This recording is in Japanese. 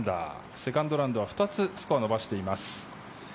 セカンドラウンドは２つスコアを伸ばしています。